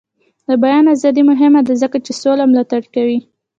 د بیان ازادي مهمه ده ځکه چې سوله ملاتړ کوي.